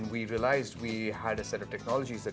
mereka mencari data yang mahal